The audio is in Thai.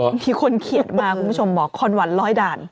มีคนเขียนมาคุณผู้ชมบอกคอนหวันร้อยด่าน